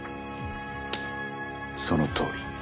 そのとおり。